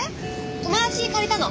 友達に借りたの。